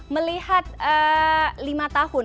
melihat lima tahun